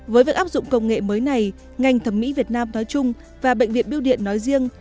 với việc áp dụng công nghệ mới này ngành thẩm mỹ việt nam nói chung và bệnh viện biêu điện nói riêng